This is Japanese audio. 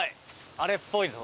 あれっぽいぞ。